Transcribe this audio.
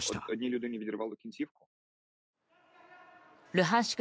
ルハンシク